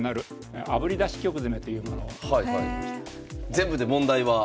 全部で問題は？